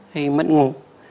hay mất ngủ